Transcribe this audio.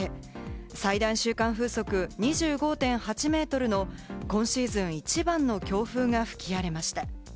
最大瞬間風速２５．８メートルの今シーズン、一番の強風が吹き荒れました。